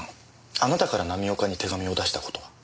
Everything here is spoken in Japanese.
あなたから浪岡に手紙を出したことは？